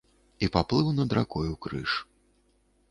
І паплыў над ракою крыж.